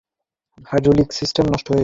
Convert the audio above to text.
বিমানের hydraulics system নষ্ট হয়ে গেছে।